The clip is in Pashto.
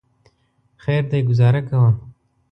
خیر دی ګوزاره کوه.